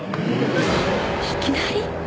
いきなり！？